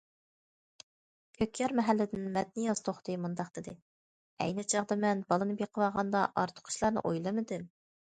كۆكيار مەھەللىدىن مەتنىياز توختى مۇنداق دېدى: ئەينى چاغدا مەن بالىنى بېقىۋالغاندا ئارتۇق ئىشلارنى ئويلىمىدىم.